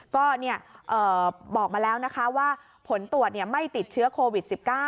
ก็บอกมาแล้วนะคะว่าผลตรวจไม่ติดเชื้อโควิด๑๙